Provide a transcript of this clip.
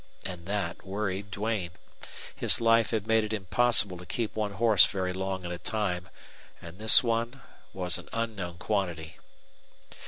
And that worried Duane. His life had made it impossible to keep one horse very long at a time, and this one was an unknown quantity.